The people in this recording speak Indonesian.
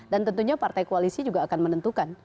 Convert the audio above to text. tentunya partai koalisi juga akan menentukan